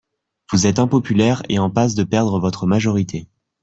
Vous êtes impopulaire et en passe de perdre votre majorité.